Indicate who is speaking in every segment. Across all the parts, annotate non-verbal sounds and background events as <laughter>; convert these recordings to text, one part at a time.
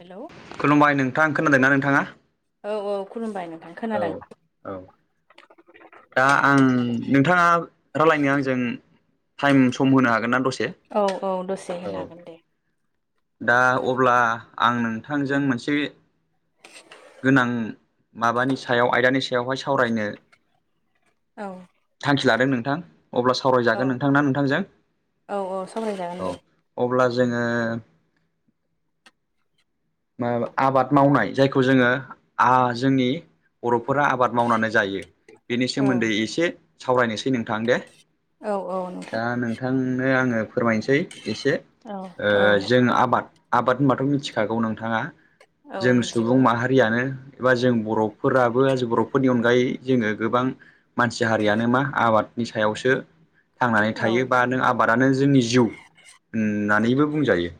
Speaker 1: हेल'
Speaker 2: खुलुमबाय नोंथां खोनादोंना नोंथाङा?
Speaker 1: औ औ खुलुमबाय नोंथां
Speaker 2: औ
Speaker 1: खोनादों
Speaker 2: औ दा आं नोंथाङा रालायनो आंजों टाइम सम होनो हागोन ना दसे?
Speaker 1: औ औ दसे
Speaker 2: औ
Speaker 1: होनो हागोन दे
Speaker 2: दा अब्ला आं नोंथांजों मोनसे गोनां माबानि सायाव आयदानि सायावहाय सावरायनो
Speaker 1: औ
Speaker 2: थांखि लादों नोंथां अब्ला
Speaker 1: औ
Speaker 2: सावरायजागोन नोंथां ना नोंथांजों
Speaker 1: औ औ सावरायजागोन
Speaker 2: औ
Speaker 1: दे
Speaker 2: अब्ला जोङो आबाद मावनाय जायखौ जोङो आ जोंनि बर'फोरा आबाद मावनानै जायो बेनि
Speaker 1: औ
Speaker 2: सोमोन्दै एसे सावरायनोसै नोंथां दे
Speaker 1: औ औ नोंथां
Speaker 2: दा नोंथांनो आङो फोरमायनोसै एसे
Speaker 1: औ
Speaker 2: ओ जों आबाद आबाद होनबाथ' मिथिखागौ नोंथाङा
Speaker 1: औ
Speaker 2: जों
Speaker 1: मिथिगौ
Speaker 2: सुबुं माहा रियानो एबा जों बर'फोराबो आज' बर'फोरनि अनगायै जोङो गोबां मानसि हारियानो मा आबादनि सायावसो थांनानै
Speaker 1: औ
Speaker 2: थायो बा नों आबादानो जोंनि जिउ होननानैबो बुंजायो।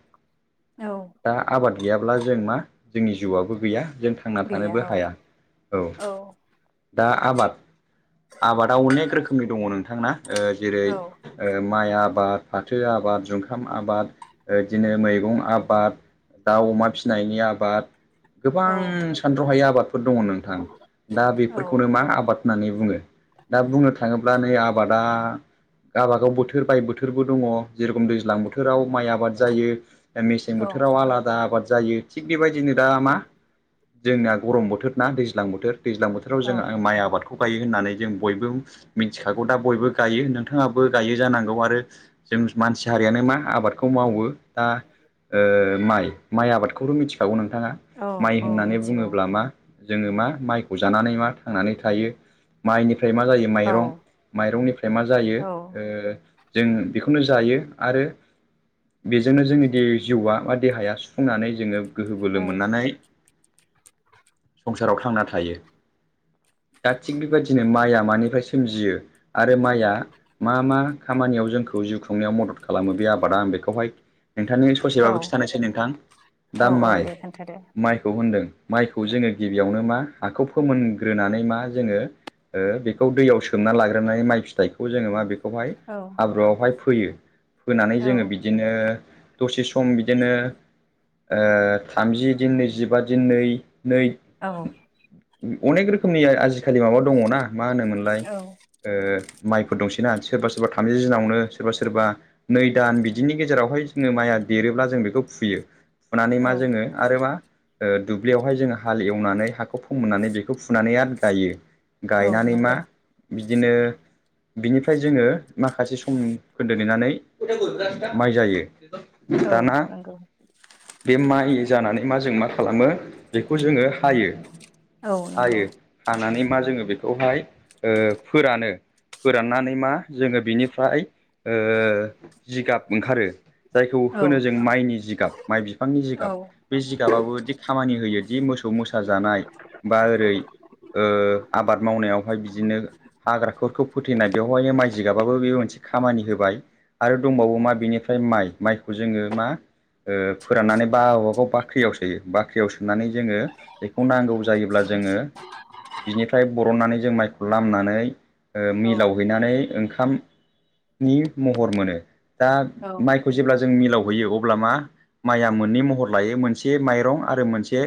Speaker 1: औ
Speaker 2: दा आबाद गैयाब्ला जों मा जोंनि जिउआबो गैया जों थांना
Speaker 1: गैया
Speaker 2: थानोबो
Speaker 1: औ
Speaker 2: हाया औ दा आबाद, आबादा अनेक रोखोमनि दङ' नोंथां ना? ओ जेरै
Speaker 1: औ
Speaker 2: ओ माइ आबाद, फाथो आबाद, जुंखाम आबाद, ओ इदिनो मैगं आबाद दाउ अमा फिनायनि आबाद।
Speaker 1: औ
Speaker 2: गोबां सानथ्र'हायै आबादफोर दङ' नोंथां दा
Speaker 1: औ
Speaker 2: बेफोरखौनो मा आबाद होननानै बुङो। दा बुंनो थाङोब्ला नै आबादा गाबा गाव बोथोर बाय बोथोरबो दङ' जेरखम दैज्लां बोथोराव माइ आबाद जायो। मेसें
Speaker 1: औ
Speaker 2: बोथोराव आलादा आबाद जायो थिग बेबायदिनो दा मा जोंना गरम बोथोर ना दैज्लां बोथोर दैज्लां बोथोराव जों आं माइ आबादखौ गायो होननानै जों बयबो मिन्थिखागौ दा बयबो गायो नोंथाङाबो गायो जानांगौ आरो जों मानसि हारियानो मा आबादखौ मावो। दा ओ माइ माइ आबादखौथ' मिथिखागौ नोंथाङा।
Speaker 1: औ
Speaker 2: माइ
Speaker 1: औ
Speaker 2: होननानै
Speaker 1: मिथिगौ
Speaker 2: बुङोब्ला मा? जोङो मा माइखौ जानानै मा थांनानै थायो। माइनिफ्राय मा जायो
Speaker 1: औ
Speaker 2: माइरं माइरंनिफ्राय मा जायो ओ जों बेखौनो जायो आरो बेजोंनो जोंनि दे जिउआ बा देहाया फुंनानै जोङो गोहो बोलो
Speaker 1: औ
Speaker 2: मोननानै संसाराव थांना थायो। दा थिग बेबायदिनो माइआ मानिफ्राय सोमजियो आरो माइआ मा मा खामानियाव जोंखौ जिउ खुंनायाव मदद खालामो बे आबादा आं बेखौहाय नोंथांनो
Speaker 1: औ
Speaker 2: ससेबाबो खिथानोसै नोंथां। दा
Speaker 1: औ औ
Speaker 2: माइ
Speaker 1: दे खोन्थादो
Speaker 2: माइखौ होनदों माइखौ जोङो गिबियावनो मा हाखौ फोमोनग्रोनानै मा जोङो ओ बेखौ दैआव सो सोमना लाग्रोनानै माइ फिथाइखौ जोङो मा बेखौहाय
Speaker 1: औ
Speaker 2: हाब्रुआवहाय फोयो। फोनानै
Speaker 1: औ
Speaker 2: जोङो बि दिनो दसे सम बिदिनो ओ थामजि दिन नैजिबा दिन नै नै
Speaker 1: औ।
Speaker 2: अनेक रोखोमनि आजिखालि माबा दङ'ना मा होनोमोनलाय?
Speaker 1: औ
Speaker 2: ओ माइफोर दंसैना। सोरबा सोरबा थामजि दिनावनो सोरबा सोरबा नै दान बिदिनि गेजेरावहाय जोङो माइया देरोब्ला जों बेखौ फुयो। फुनानै
Speaker 1: औ
Speaker 2: मा जोङो आरो मा ओ दुब्लियावहाय जोङो हाल एवनानै हाखौ फोमोननानै बेखौ फुनानै आरो गायो।
Speaker 1: औ
Speaker 2: गायनानै मा
Speaker 1: नंगौ
Speaker 2: बिदिनो बिनिफ्राय जोङो माखासे सम खोन्दो नेनानै माइ जायो।
Speaker 1: औ
Speaker 2: दाना
Speaker 1: नोंगौ।
Speaker 2: बे माइ जानानै मा जों मा खालामो बेखौ जोङो हायो
Speaker 1: औ नंगौ
Speaker 2: हायो। हानानै मा जोङो बेखौहाय ओ फोरानो। फोराननानै मा जोङो बिनिफ्राय ओ जिगाब ओंखारो जायखौ
Speaker 1: औ
Speaker 2: होनो जों माइनि जिगाब माइ बिफांनि
Speaker 1: औ
Speaker 2: जिगाब। बे जिगाबाबोदि खामानि होयोदि मोसौ मोसा जानाय बा ओरै ओ आबाद मावनायावहाय बिदिनो हाग्राखोरखौ फोथैनाय बेवहायनो माइ जिगाबाबो बेबो मोनसे खामानि होबाय। आरो दंबावो
Speaker 1: औ
Speaker 2: मा बिनिफ्राय माइ माइखौ जोङो मा ओ फोराननानै बा गाबा गाव बाख्रियाव सोयो। बाख्रियाव सोनानै जोङो एखौ नांगौ जायोब्ला जोङो बिनिफ्राय बरननानै जों माइखौ लामनानै ओ
Speaker 1: औ
Speaker 2: मिलाव हैनानै ओंखाम नि महर मोनो। दा
Speaker 1: औ।
Speaker 2: माइखौ जेब्ला जों मिलाव हैैयो अब्ला मा? माइया मोननै महर लायो मोनसे माइरं आरो मोनसे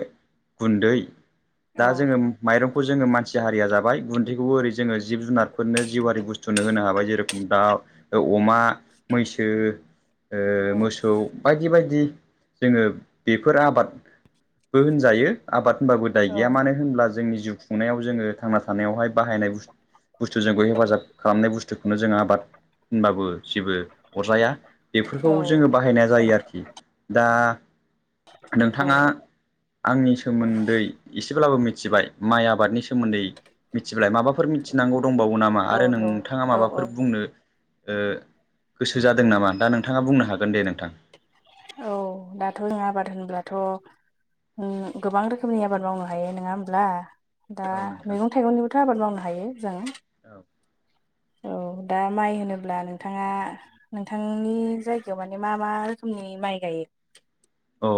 Speaker 2: गुन्दै। दा जोङो माइरंखौ जोङो मानसि हारिया जाबाय गुन्दैखौबो ओरै जोङो जिब जुनारफोरनो जिउआरि बुस्थुनो होनो हाबाय जेरेखम दाउ, अमा मैसो
Speaker 1: औ
Speaker 2: ओ मोसौ बायदि बायदि। जोङो बेफोर आबादबो होनजायो आबाद होनबाबो दाय
Speaker 1: औ
Speaker 2: गैया मानो होनब्ला जोंनि जिउ खुंनायाव जोङो थांना थानायावहाय बाहायनाय बुस्थ बुस्थु जोंखौ हेफाजाब खालामनाय बुस्थुखौनो जों आबाद होनबाबो जेबो अरजाया। बेफोरखौ
Speaker 1: औ
Speaker 2: जोङो बाहायनाय जायो आरोखि दा
Speaker 1: औ
Speaker 2: नोंथाङा आंनि सोमोन्दै एसेब्लाबो मिथिबाय माइ आबादनि सोमोन्दै मिथिलाय माबाफोर मिथिनांगौ दंबावो नामा आरो
Speaker 1: नंगौ
Speaker 2: नोंथाङा
Speaker 1: औ औ
Speaker 2: माबाफोर बुंनो ओ गोसो जादों नामा दा नोंथाङा बुंनो हागोन दे नोंथां।
Speaker 1: औ दाथ' जों आबाद होनब्लाथ' ओम गोबां रोखोमनि आबाद मावनो हायो नङा होमब्ला। दा
Speaker 2: औ नोंथां औ
Speaker 1: मैगं थाइगंनिबोथ' आबाद मावनो हायो जों। औ दा माइ होनोब्ला नोंथाङा नोंथांनि जायगायाव माने मा मा रोखोमनि माइ गाइयो?
Speaker 2: अ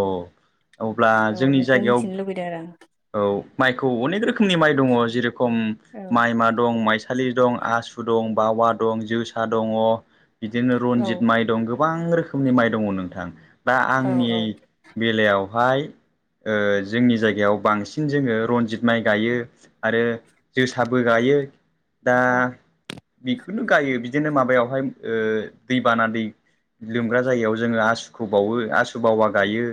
Speaker 2: अब्ला
Speaker 1: औ
Speaker 2: जोंनि
Speaker 1: बेखौ
Speaker 2: जायगायाव
Speaker 1: <unintelligible>
Speaker 2: औ माइखौ अनेक रोखोमनि माइ दङ जेरेखम
Speaker 1: आं
Speaker 2: माइमा दं मायसा सालि दं, आसु दं, बावा दं, जोसा दङ बिदिनो
Speaker 1: औ
Speaker 2: रनजित माय दङ गोब गोबां रोखोमनि माइ दङ नोंथां दा आंनि
Speaker 1: औ
Speaker 2: बेलायावहाय ओ जोंनि जायगायाव बांसिन जोङो रनजित माइ गाइयो आरो जोसाबो गाइयो दा
Speaker 1: औ
Speaker 2: बेखौनो गाइयो बिदिनो माबायाव हाय ओ दै बाना दै लोमग्रा जायगायाव जोङो आसुखौ बावो आसु बावा गाइयो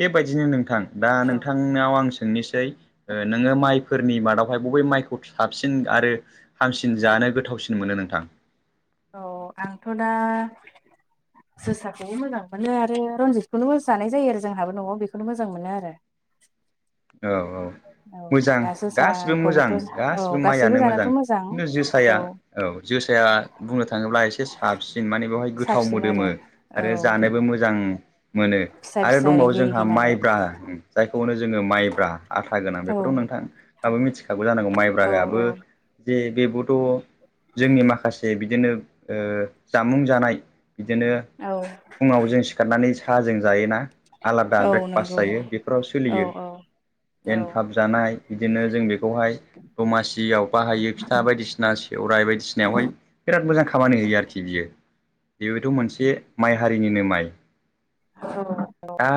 Speaker 2: बेबायदिनो नोंथां। दा
Speaker 1: औ
Speaker 2: नोंथांनाव आं सों सोंनिसै ओ नोङो मायफोरनि मादाव हाय बबे माइखौ साबसिन आरो हामसिन जानो गोथावसिन मोनो नोंथां?
Speaker 1: औ आंथ' दा जोसाखौबो मोजां मोनो आरो रनजितखौनो जानाय जायो आरो जोंहाबो न'आव बेखौनो मोजां मोनो आरो।
Speaker 2: औ औ।
Speaker 1: औ
Speaker 2: मोजां
Speaker 1: दा
Speaker 2: गासिबो मोजां
Speaker 1: जोसाखौबोथ' औ
Speaker 2: गासिबो
Speaker 1: गासैबो
Speaker 2: माइआनो
Speaker 1: जानोथ'
Speaker 2: मोजां खिन्थु जोसाया औ जोसाया बुंनो थाङोब्ला एसे साबसिन माने बेवहाय गोथाव
Speaker 1: साबसिन
Speaker 2: मोदोमो।
Speaker 1: आरो औ
Speaker 2: आरो जानोबो मोजां मोनो
Speaker 1: फिसा
Speaker 2: आरो
Speaker 1: फिसा
Speaker 2: दंबावो
Speaker 1: रिगि
Speaker 2: जोंहा
Speaker 1: रिगि नालाय
Speaker 2: माइब्रा। जायखौ होनो जोङो माइब्रा। आथा गोनां
Speaker 1: औ
Speaker 2: बेखौथ' नोंथांङाबो मिथिखागौ जानांगौ
Speaker 1: औ
Speaker 2: माइब्रायाबो जे बेबोथ' जोंनि माखासे बिद दिनो ओ जामुं जानाय बिदिनो
Speaker 1: औ
Speaker 2: फुङाव जों सिखारनानै साहाजों जायोना आलादा
Speaker 1: औ
Speaker 2: ब्रेकफास्ट
Speaker 1: नंगौ
Speaker 2: जायो बेफोराव
Speaker 1: औ
Speaker 2: सोलियो।
Speaker 1: औ औ
Speaker 2: एनथाब जानाय बिदिनो जों बेखौहाय दमासियाव बाहायो फिथा बायदिसिना सेवराय बायदिसिनायावहाय बिराद मोजां खामानि होयो आरोखि बियो बेबोथ' मोनसे माइ हारिनिनो माइ।
Speaker 1: <inaudible>
Speaker 2: आ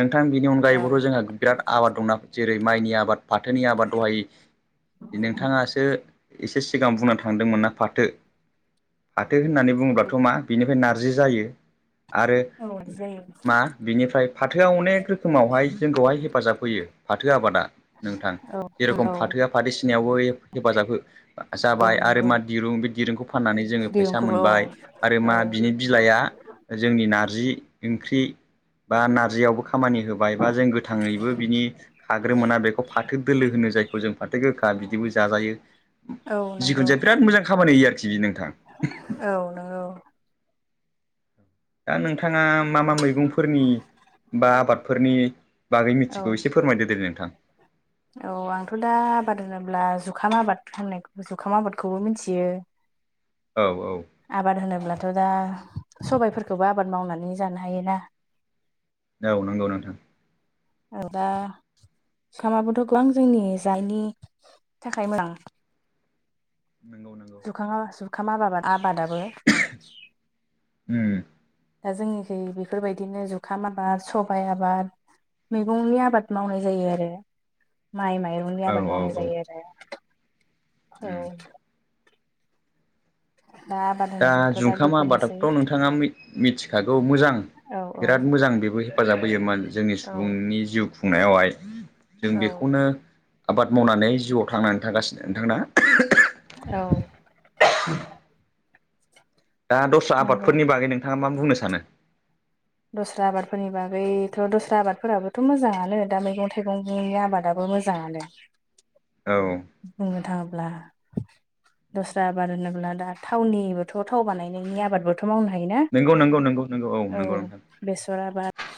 Speaker 2: नोंथां बिनि अनगायैबोथ
Speaker 1: औ
Speaker 2: जोंङो बिराद आबाद दंना जेरै माइनि आबाद फाथोनि आबाद दहाय नोंथाङासो एसे सिगां बुंना थांदोंमोनना फाथो फाथो होननानै बुङोब्लाथ' मा बिनिफ्राय नारजि जायो। आरो
Speaker 1: औ जायो।
Speaker 2: मा बिनिफ्राय फाथोआ अनेक रोखोमावहाय जोंखौहाय हेफाजाब होयो फाथो आबादा नोंथां।
Speaker 1: औ औ
Speaker 2: फाथोसिनायावबो हेफाजाब हो जाबाय
Speaker 1: औ
Speaker 2: आरो
Speaker 1: नंगौ
Speaker 2: मा दिरुं बे दिरुंखौ फाननानै जोङो फैसा
Speaker 1: दिरुंखौबो औ
Speaker 2: मोनबाय। आरो
Speaker 1: औ
Speaker 2: मा बिनि बिलाइआ जोंनि नारजि ओंख्रि बा नारजियावबो खामानि होबाय बा जों गोथाङैबो बिनि खाग्रोमोना बेखौ फाथो दोलो होनो जायखौ जों फाथो गोखा बिदिबो जाजायो।
Speaker 1: औ नंगौ
Speaker 2: जिखुनु जाया बिराद मोजां खामानि होयो आरोखि बे नोंथां।
Speaker 1: औ नोंगौ।
Speaker 2: दा नोंथाङा मा मा मैगंफोरनि बा आबादफोरनि बागै
Speaker 1: औ
Speaker 2: मिथिगौ एसे फो फोरमायदो दे नोंथां।
Speaker 1: औ आंथ' दा आबाद होनोब्ला जुखाम आबाद होननायखौ जुखाम आबादखौबो मोनथियो।
Speaker 2: औ औ
Speaker 1: आबाद होनोब्लाथ' दा सबायफोरखौबो आबाद मावनानै जानो हायोना।
Speaker 2: औ नंगौ नोंथां।
Speaker 1: औ दा जुखामाबोथ' गोबां जोंनि जायनि थाखाय मोजां।
Speaker 2: नंगौ नंगौ।
Speaker 1: जुखांया जुखाम आबाबाद आबादाबो।
Speaker 2: उम
Speaker 1: दा जोंनिखै बेफोरबायदिनो जुखाम आबाद सबाइ आबाद मैगंनि आबाद मावनाय जायो आरो माइ माइरं ननि
Speaker 2: औ
Speaker 1: आबाद
Speaker 2: औ
Speaker 1: मावनाय
Speaker 2: औ
Speaker 1: जायो आरो
Speaker 2: उम
Speaker 1: औ दा आबाद
Speaker 2: दा
Speaker 1: होनोब्लाथ'
Speaker 2: जुंखाम
Speaker 1: बेफोरनोसै
Speaker 2: आबादखौ नोंथाङा मि मिथिखागौ मोजां।
Speaker 1: औ औ
Speaker 2: बिराद मोजां बेबो हेफाजाब होयोमोन जोंनि
Speaker 1: औ
Speaker 2: सुबुंनि जिउ खुं खुंनायावहाय जों
Speaker 1: औ
Speaker 2: बेखौनो आबाद मावनानै जिउआव थांनानै थांगासिनो नोंथां ना?
Speaker 1: औ।
Speaker 2: दा दस्रा
Speaker 1: नंगौ
Speaker 2: आबादफोरनि बागै नोंथाङा मा बुंनो सानो?
Speaker 1: दस्रा आबादफोरनि बागैथ' दस्रा आबादफोराबोथ' मोजाङानो दा मैगं थाइगंनि आबादाबो मो जानो
Speaker 2: औ।
Speaker 1: बुंनो थाङोब्ला। दस्रा आबाद होनोब्ला दा थावनिबोथ' थाव बानायनायनि आबादबोथ' मावनो हायोना।
Speaker 2: नंगौ नंगौ नंगौ नोंगौ औ
Speaker 1: औ
Speaker 2: नंगौ नोंथां
Speaker 1: बेसर आबाद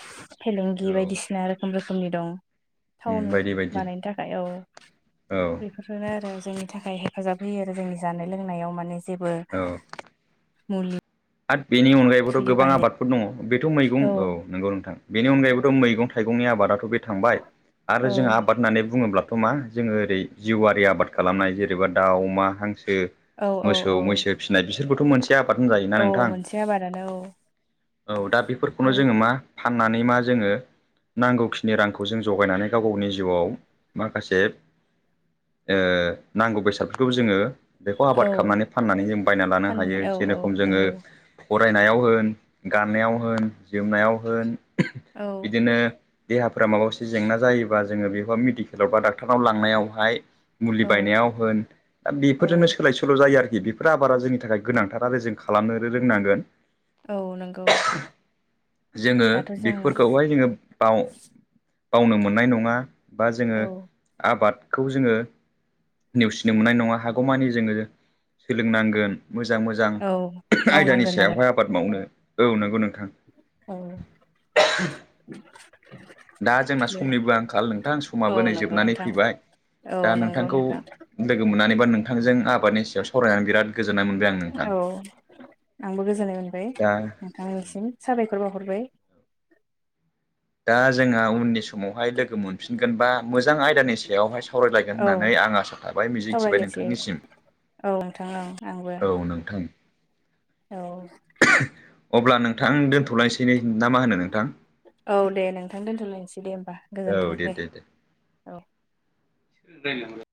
Speaker 1: फेलेंगि
Speaker 2: औ
Speaker 1: बायदिसिना रोखोम रोखोमनि दं थावन
Speaker 2: बायदि बायदि
Speaker 1: बानायनो थाखाय औ।
Speaker 2: औ
Speaker 1: बेफोरनो आरो जोंनि थाखाय हेफाजाब होयो आरो जोंनि जानाय लोंनायाव माने जेबो मुलि
Speaker 2: आथ बेनि अनगायैबोथ'
Speaker 1: थुलि
Speaker 2: गोबां
Speaker 1: बाहायनो
Speaker 2: आबादफोर दङ बेथ' मैगं औ नंगौ नोंथां बेनि अनगायैबोथ' मैगं थाइगंनि आबादाथ' बे थांबाय
Speaker 1: औ
Speaker 2: आरो जोंहा आबाद होननानै बुङोब्ला' थ' मा जोङो ओरै जिउआरारि आबाद खालामनाय जेनेबा दाउ अमा हांसो
Speaker 1: औ औ
Speaker 2: मोसौ
Speaker 1: औ
Speaker 2: मैसो फिसिनाय बिसोरबोथ' मोनसे आबाद
Speaker 1: औ
Speaker 2: होनजायोना नों थां
Speaker 1: मोनसे आबादानो औ
Speaker 2: औ दा बेफोरखौनो जोङो
Speaker 1: औ
Speaker 2: मा फाननानै मा जोङो नांगौखिनि रांखौ जों जगायनानै गाव गावनि जिउआव माखासे ओ नांगौ बेसादफोरखौ जोङो बेखौ
Speaker 1: औ
Speaker 2: आबाद खालामनानै फाननानै जों बायना लानो
Speaker 1: फाननानै
Speaker 2: हायो
Speaker 1: औ औ
Speaker 2: जेरखम जोङो
Speaker 1: नंगौ
Speaker 2: फरायनायाव होन गाननायाव होन जोमनायाव होन
Speaker 1: औ
Speaker 2: बिदिनो देहाफोरा माबा मोनसे जेंना जायोबा जोङो बेबा मेडिकेलाव बा डाक्टारनाव लांनायावहाय मुलि
Speaker 1: औ
Speaker 2: बायनायाव होन दा
Speaker 1: औ
Speaker 2: बेफोरजोंनो सोलाय सोल' जायो आरोखि बेफोर आबादा जोंनि थाखाय गोनांथार आरो जों खालामनो रोंनांगोन
Speaker 1: औ नंगौ
Speaker 2: जोङो
Speaker 1: दाथ' जोंनाव
Speaker 2: बेफोरखौहाय जोङो बाव बावनो मोननाय नङा बा जोङो
Speaker 1: औ
Speaker 2: आबादखौ जोङो नेवसिनो मोननाय नङा हागौमानि जोङो सोलोंनांगोन मोजां मोजां
Speaker 1: औ
Speaker 2: आयदानि
Speaker 1: मावनांगोन आरो
Speaker 2: सायावहाय आबाद मावनो औ नंगौ नोंथां
Speaker 1: औ
Speaker 2: दा जोंना
Speaker 1: दे
Speaker 2: समनिबो आंखाल नोंथां
Speaker 1: औ
Speaker 2: समाबो नै
Speaker 1: नंगौ
Speaker 2: जोबनानै
Speaker 1: नोंथां
Speaker 2: फैबाय
Speaker 1: औ
Speaker 2: दा
Speaker 1: नंगौ
Speaker 2: नोंथांखौ
Speaker 1: नोंथां
Speaker 2: लोगो मोन्नानै बा नोंथांजों आबादनि सो सावरायनानै बिराद गोजोननाय मोनबाय आं
Speaker 1: औ
Speaker 2: नोंथां
Speaker 1: आंबो गोजोननाय मोनबाय
Speaker 2: दा
Speaker 1: नोंथांनिसिम साबायखर बाहरबाय
Speaker 2: दा जोंहा उननिस समावहाय लोगो मोनफिनगोन बा मोजां आयदानि सायावहाय सावरायलायगोन
Speaker 1: औ
Speaker 2: होन्नानै आं आसा थाबाय मिजिंथिबाय
Speaker 1: सावरायलायसै
Speaker 2: नोंथांनिसिम
Speaker 1: औ नोंथां औ आंबो
Speaker 2: औ नोंथां
Speaker 1: औ
Speaker 2: अब्ला नोंथां दोनथ'लायसै ने ना मा होनो नोंथां
Speaker 1: औ दे नोंथां दोनथ'लायनोसै दे होमबा
Speaker 2: औ दे दे दे
Speaker 1: औ
Speaker 2: <unintelligible>